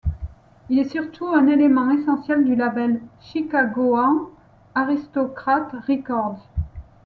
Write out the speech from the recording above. Il est surtout un élément essentiel du label chicagoan Aristocrat Records.